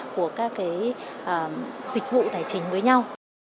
của các cái dịch vụ tài chính với nhau